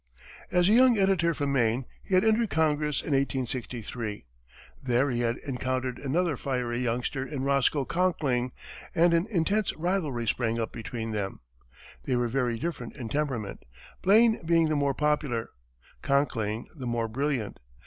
As a young editor from Maine, he had entered Congress in 1863. There he had encountered another fiery youngster in Roscoe Conkling, and an intense rivalry sprang up between them. They were very different in temperament, Blaine being the more popular, Conkling the more brilliant.